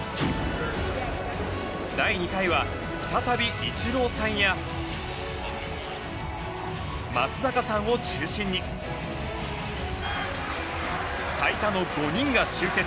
第２回は再びイチローさんや松坂さんを中心に最多の５人が集結。